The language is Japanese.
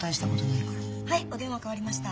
はいお電話代わりました。